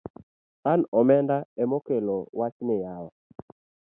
An omenda emokelo wachni yawa